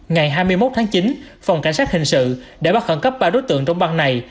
ngày hai mươi một tháng chín phòng cảnh sát hình sự đã bắt khẩn cấp ba đối tượng trong băng này